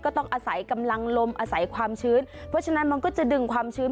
ก็ต้องอาศัยกำลังลมอาศัยความชื้นเพราะฉะนั้นมันก็จะดึงความชื้น